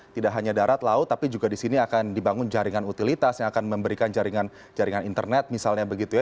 tidak hanya darat laut tapi juga di sini akan dibangun jaringan utilitas yang akan memberikan jaringan internet misalnya begitu ya